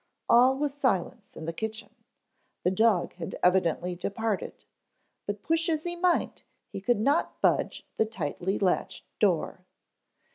All was silence in the kitchen. The dog had evidently departed. But push as he might he could not budge the tightly latched door.